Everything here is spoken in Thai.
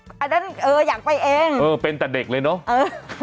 อันนั้นเอออยากไปเองเออเป็นแต่เด็กเลยเนอะ